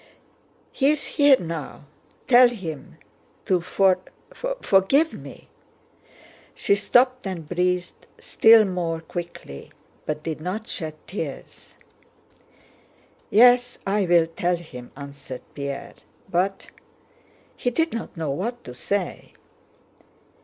"He is here now: tell him... to for... forgive me!" She stopped and breathed still more quickly, but did not shed tears. "Yes... I will tell him," answered Pierre; "but..." He did not know what to say.